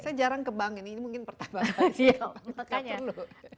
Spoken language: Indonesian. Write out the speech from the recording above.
saya jarang ke bank ini ini mungkin pertama kali sih